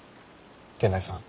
源内さん。